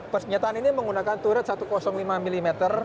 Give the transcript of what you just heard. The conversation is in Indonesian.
persenjataan ini menggunakan turet satu ratus lima mm